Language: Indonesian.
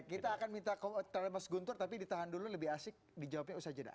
kita akan minta kalau mas guntur tapi ditahan dulu lebih asik dijawabnya ustaz jeddah